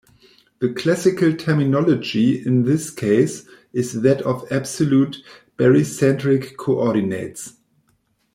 The classical terminology in this case is that of absolute barycentric coordinates.